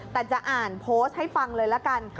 แต่จะอ่านโพสต์ให้ฟังเลยละกัน